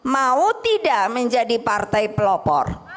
mau tidak menjadi partai pelopor